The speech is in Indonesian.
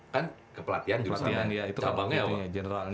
kan kepelatihan jurusan cabangnya apa